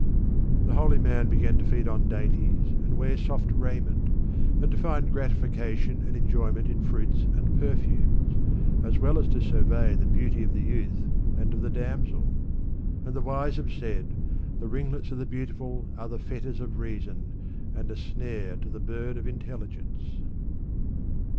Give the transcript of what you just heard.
The holy man began to feed on dainties and wear soft raiment, and to find gratification and enjoyment in fruits and perfumes, as well as to survey the beauty of the youth and of the damsel ; and the wise have said, '' The ringlets of the beautiful are the fetters of reason and a snare to the bird of intelligence."